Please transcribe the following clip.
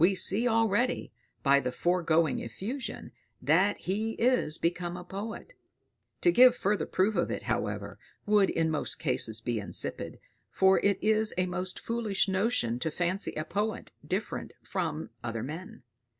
We see already, by the foregoing effusion, that he is become a poet; to give further proof of it, however, would in most cases be insipid, for it is a most foolish notion to fancy a poet different from other men.